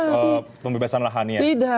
untuk pembebasan lahannya